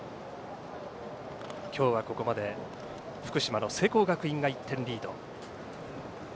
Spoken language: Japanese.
今日はここまで福島の聖光学院が１点リード。